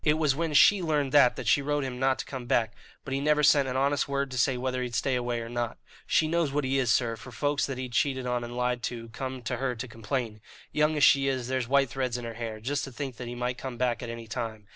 It was when she learned that that she wrote to him not to come back; but he never sent an honest word to say whether he'd stay away or not. She knows what he is, sir, for folks that he'd cheated and lied to come to her to complain. Young as she is, there's white threads in her hair, just to think that he might come back at any time.